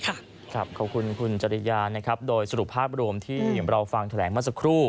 ขอบคุณคุณจริยานะครับโดยสรุปภาพรวมที่เราฟังแถลงเมื่อสักครู่